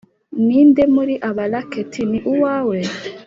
ninde muri aba racket ni uwawe?